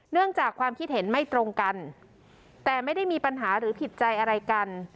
จากความคิดเห็นไม่ตรงกันแต่ไม่ได้มีปัญหาหรือผิดใจอะไรกัน